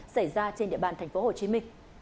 xảy ra trên địa bàn tp hcm